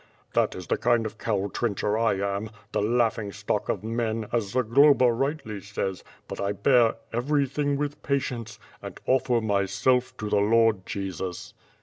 .... that is the kind of Cowl Trencher I am! the laughing stock of men, as Zagloba rightly says, but I bear everything with pa tience, and offer myself to the Lord Jesus."